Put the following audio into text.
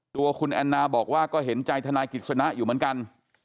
ตัวคุณแอนนาบอกว่าก็เห็นใจทนายกิจสนะอยู่เหมือนกัน